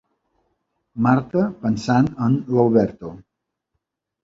Marta, pensant en l'Alberto.